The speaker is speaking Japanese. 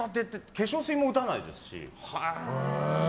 化粧水も打たないですし。